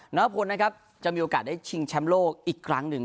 น้องพลนะครับจะมีโอกาสได้ชิงแชมป์โลกอีกครั้งหนึ่ง